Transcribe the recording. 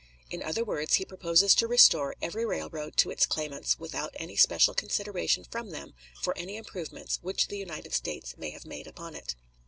In other words, he proposes to restore every railroad to its claimants without any special consideration from them for any improvements which the United States may have made upon it.